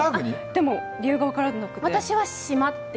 でも理由が分からなくて。